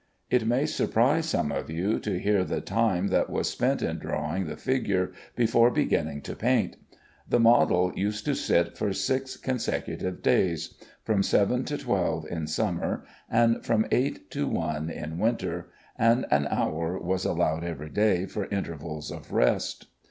It may surprise some of you to hear the time that was spent in drawing the figure before beginning to paint. The model used to sit for six consecutive days: from seven to twelve in summer, and from eight to one in winter, and an hour was allowed every day for intervals of rest.